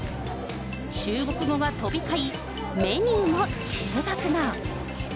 中国語が飛び交い、メニューも中国語。